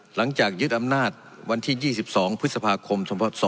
หลังจากยึดอำนาจวันที่๒๒พฤษภาคม๒๕๒